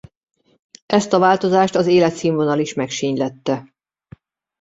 Ezt a változást az életszínvonal is megsínylette.